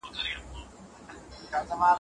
ادبي او ساينسي کتابونه د مهارتونو لپاره ګټور دي.